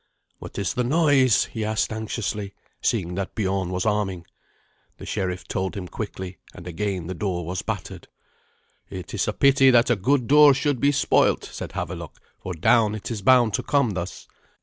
"What is the noise?" he said anxiously, seeing that Biorn was arming. The sheriff told him quickly, and again the door was battered. "It is a pity that a good door should be spoilt," said Havelok, "for down it is bound to come thus.